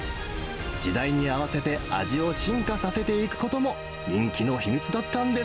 時代に合わせて味を進化させていくことも、人気の秘密だったんで